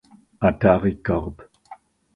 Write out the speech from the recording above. Atari Corp.